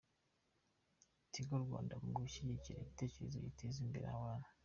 Tigo Rwanda mu gushyigikira ibitekerezo biteza imbere abana